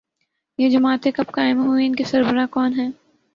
یہ جماعتیں کب قائم ہوئیں، ان کے سربراہ کون ہیں۔